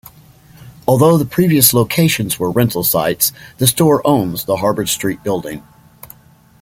Although the previous locations were rental sites, the store owns the Harbord Street building.